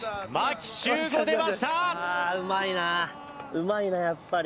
うまいなやっぱり。